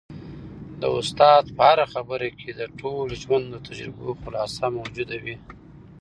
د استاد په هره خبره کي د ټول ژوند د تجربو خلاصه موجوده وي.